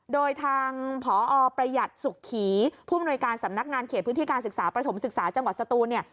โดยทางพอประหยัดสุขีผู้อำนวยการสำนักงานเขตพื้นที่การศึกษาประถมศึกษาจังหวัดสตูนเนี่ย